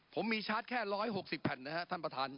ผมมีชาร์จแค่ร้อยหกสิบแผ่นนะฮะท่านประธาน